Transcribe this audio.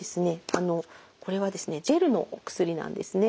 あのこれはですねジェルのお薬なんですね。